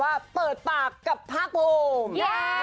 เดียวคุณได้เปิดปากกับภาคภูมิ